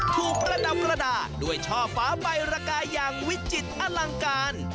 ประดับกระดาษด้วยช่อฟ้าใบระกายอย่างวิจิตรอลังการ